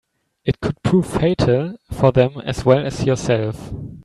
It could prove fatal for them as well as yourself.